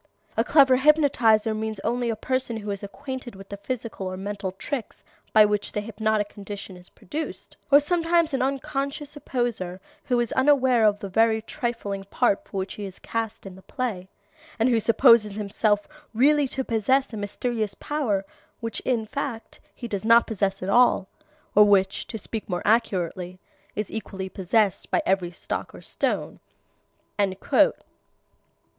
A clever hypnotizer means only a person who is acquainted with the physical or mental tricks by which the hypnotic condition is produced; or sometimes an unconscious imposter who is unaware of the very trifling part for which he is cast in the play, and who supposes himself really to possess a mysterious power which in fact he does not possess at all, or which, to speak more accurately, is equally possessed by every stock or stone."